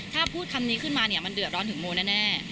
ถ้าพูดคำนี้ขึ้นมาเนี่ยมันเดือดร้อนถึงโมแน่